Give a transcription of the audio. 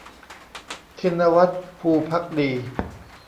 ทินวัฒน์ ภูภักดี